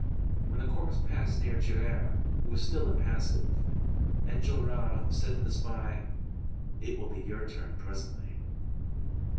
When the corpse passed near Javert, who was still impassive, Enjolras said to the spy:— "It will be your turn presently!"